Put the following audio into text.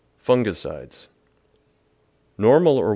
Fungicides Normal or 1.